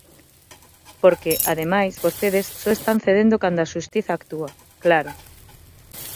Porque, ademais, vostedes só están cedendo cando a Xustiza actúa, ¡claro!